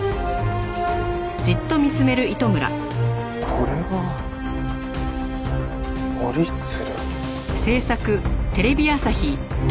これは折り鶴？